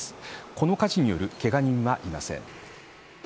この火事によるけが人はいません。